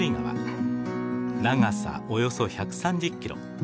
長さおよそ１３０キロ。